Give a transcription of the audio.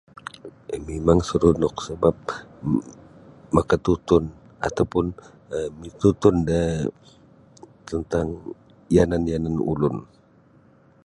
Mimang saronok sabab makatutun ataupun um mitutun da tentang yanan-yanan ulun.